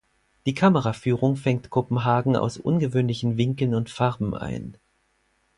Die Kameraführung fängt Kopenhagen aus ungewöhnlichen Winkeln und Farben ein.